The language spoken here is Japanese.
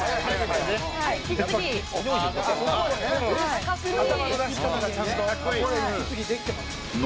「これ息継ぎできてます」